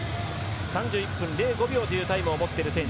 ３１分０５秒というタイムを持っている選手。